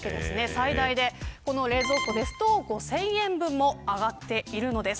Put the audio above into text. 最大で冷蔵庫だと５０００円分も上がっているんです。